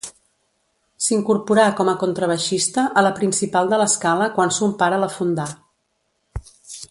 S'incorporà com a contrabaixista a la Principal de l'Escala quan son pare la fundà.